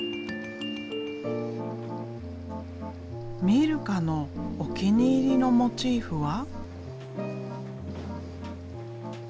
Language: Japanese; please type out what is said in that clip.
ミルカのお気に入りのモチーフは？